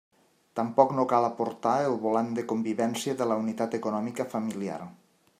Tampoc no cal aportar el volant de convivència de la unitat econòmica familiar.